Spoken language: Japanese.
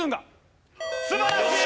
素晴らしい！